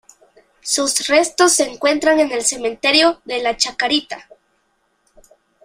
Sus restos se encuentran en el Cementerio de la Chacarita.